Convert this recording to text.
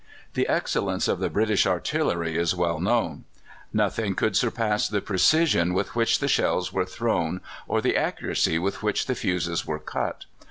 The excellence of the British artillery is well known. Nothing could surpass the precision with which the shells were thrown or the accuracy with which the fuses were cut.